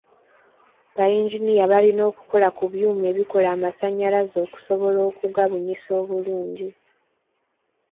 Ba yinginiya balina okukola ku byuma ebikola amasannyalaze okusobola okugabunyisa obulungi.